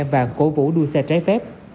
và cổ vũ đua xe trái phép